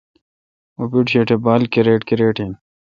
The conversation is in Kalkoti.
اں پیٹش اے°بال کرِٹ کرِٹ این